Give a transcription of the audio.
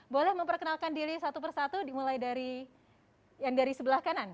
boleh memperkenalkan diri satu persatu dimulai dari sebelah kanan